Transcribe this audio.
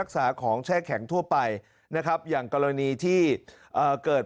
ของแช่แข็งทั่วไปอย่างกรณีที่เกิด